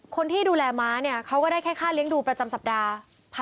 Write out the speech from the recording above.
คนที่ดูแลม้าเนี่ยเขาก็ได้แค่ค่าเลี้ยงดูประจำสัปดาห์